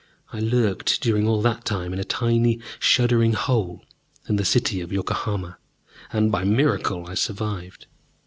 I lurked during all that time in a tiny shuddering hole under the city of Yokohama, and by a miracle I survived.